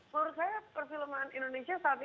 menurut saya perfilman indonesia saat ini